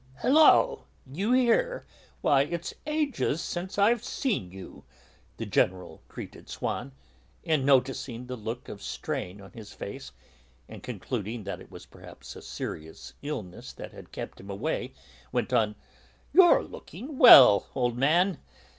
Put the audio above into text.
"Hallo! you here! why, it's ages since I've seen you," the General greeted Swann and, noticing the look of strain on his face and concluding that it was perhaps a serious illness that had kept him away, went on, "You're looking well, old man!"